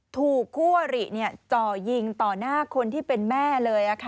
ถูกคู่อริจ่อยิงต่อหน้าคนที่เป็นแม่เลย